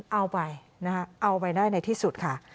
เอาไปนะคะเอาไปได้ในที่สุดค่ะ